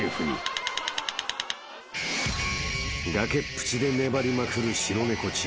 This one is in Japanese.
［崖っぷちで粘りまくる白猫チーム］